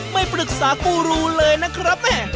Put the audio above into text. ไม่ปรึกษากูรูเลยนะครับแม่